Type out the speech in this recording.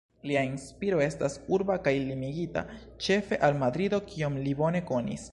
Lia inspiro estas urba kaj limigita ĉefe al Madrido kion li bone konis.